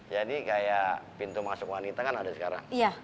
jadi kayak pintu masuk wanita kan ada sekarang